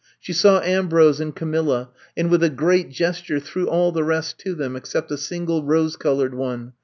She saw Ambrose and Camilla, and with a great gesture threw all the rest to them, except a single rose colored one.